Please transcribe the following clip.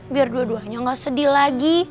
biar dua duanya gak sedih lagi